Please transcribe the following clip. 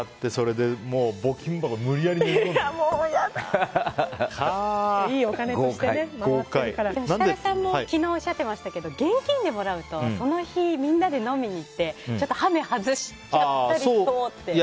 でも、設楽さんも昨日おっしゃってましたけど現金でもらうとその日みんなで飲みに行ってちょっと羽目を外しちゃったりしそうって。